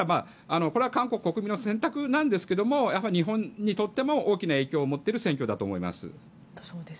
それは韓国国民の選択なんですが日本にとっても大きな影響を持っている選挙だと思います。